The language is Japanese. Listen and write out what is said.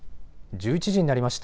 １１時になりました。